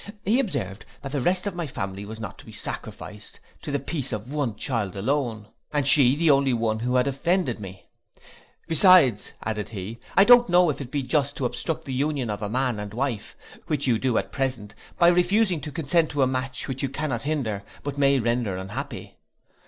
He observed, that the rest of my family was not to be sacrificed to the peace of one child alone, and she the only one who had offended me. 'Beside,' added he, 'I don't know if it be just thus to obstruct the union of man and wife, which you do at present, by refusing to consent to a match which you cannot hinder, but may render unhappy.